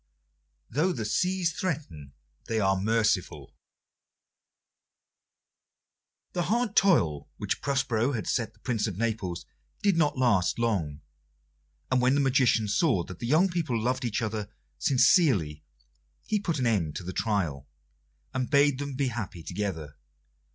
"Though the Seas threaten, they are merciful" The hard toil which Prospero had set the Prince of Naples did not last long, and when the magician saw that the young people loved each other sincerely he put an end to the trial, and bade them be happy together.